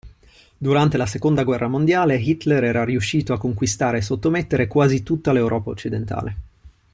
Durante la Seconda guerra mondiale Hitler era riuscito a conquistare e sottomettere quasi tutta l'Europa occidentale.